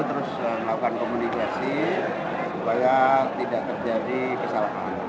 terus melakukan komunikasi supaya tidak terjadi kesalahan